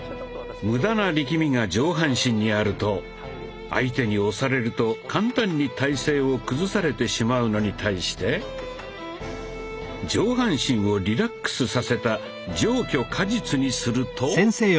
無駄な力みが上半身にあると相手に押されると簡単に体勢を崩されてしまうのに対して上半身をリラックスさせた「上虚下実」にすると。